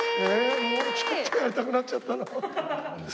もうちょっとやりたくなっちゃったな。